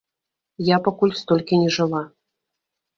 Я пакуль столькі не жыла.